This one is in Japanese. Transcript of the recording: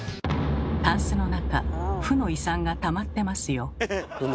たんすの中負の遺産がたまってますよ。